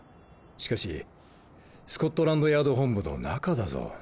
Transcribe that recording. しかしスコットランドヤード本部の中だぞ。